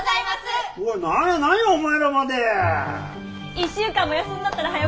１週間も休んどったらはよ